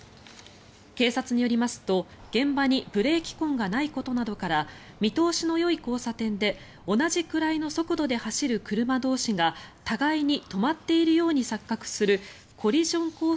警察によりますと、現場にブレーキ痕がないことなどから見通しのよい交差点で同じくらいの速度で走る車同士が互いに止まっているように錯覚するコリジョンコース